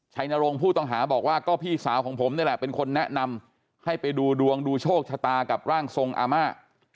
นรงค์ผู้ต้องหาบอกว่าก็พี่สาวของผมนี่แหละเป็นคนแนะนำให้ไปดูดวงดูโชคชะตากับร่างทรงอาม่า